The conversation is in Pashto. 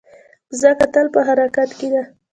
مځکه تل په حرکت کې ده.